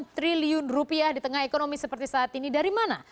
dua ratus tujuh puluh delapan triliun rupiah di tengah ekonomi seperti saat ini dari mana